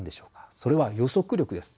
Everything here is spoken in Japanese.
それは予測力です。